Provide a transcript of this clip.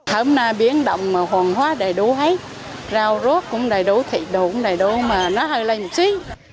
hôm nay biển động mà hoàng hóa đầy đủ hay rau rốt cũng đầy đủ thịt đồ cũng đầy đủ mà nó hơi lành chí